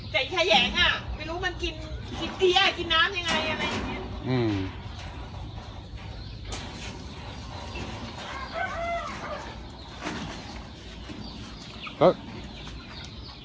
แต่แขยงอ่ะไม่รู้มันกินกินเตี้ยกินน้ำยังไงอะไรอย่างนี้